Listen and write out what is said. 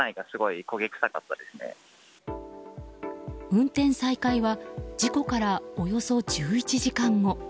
運転再開は事故から、およそ１１時間後。